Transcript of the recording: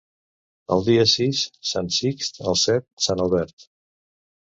El dia sis, sant Sixt; el set, sant Albert.